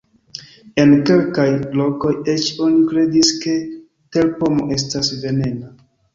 En kelkaj lokoj eĉ oni kredis, ke terpomo estas venena.